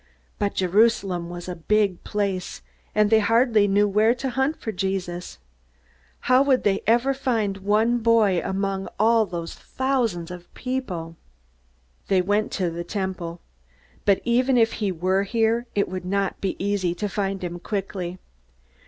But Jerusalem was a big place, and they hardly knew where to hunt for Jesus. How would they ever find one boy among all those thousands of people? They went to the Temple. But even if he were here, it would not be easy to find him quickly.